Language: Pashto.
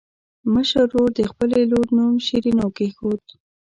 مشر ورور د خپلې لور نوم شیرینو کېښود.